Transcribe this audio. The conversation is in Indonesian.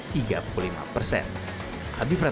habib pratama jakarta